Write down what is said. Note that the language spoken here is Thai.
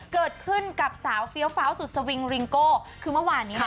เกิดขึ้นกับสาวเฟี้ยวฟ้าสุดสวิงริงโก้คือเมื่อวานนี้